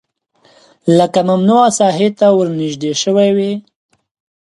لکه ممنوعه ساحې ته ورنژدې شوی وي